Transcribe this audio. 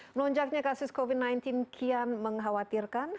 melonjaknya kasus covid sembilan belas kian mengkhawatirkan